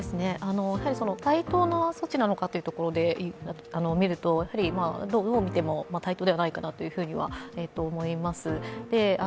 対等な措置なのかというところで見ると、どう見ても対等ではないかなと思います。